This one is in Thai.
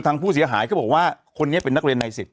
ทางผู้เสียหายเขาบอกว่าคนนี้เป็นนักเรียนใน๑๐